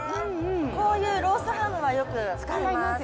こういうロースハムはよく使います。